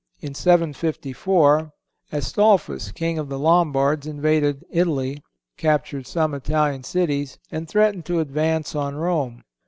In 754 Astolphus, King of the Lombards, invaded Italy, captured some Italian cities and threatened to advance on Rome.